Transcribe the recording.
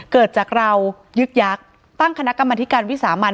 เกิดจากเรายึกยักษ์ตั้งคณะกรรมธิการวิสามัน